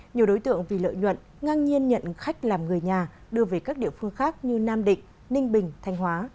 nhiều đối tượng vì lợi nhuận ngang nhiên nhận khách làm người nhà đưa về các địa phương khác như nam định ninh bình thanh hóa